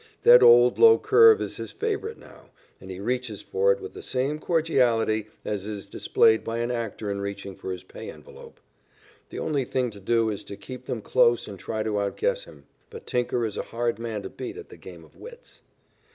That old low curve is his favorite now, and he reaches for it with the same cordiality as is displayed by an actor in reaching for his pay envelope. The only thing to do is to keep them close and try to outguess him, but Tinker is a hard man to beat at the game of wits.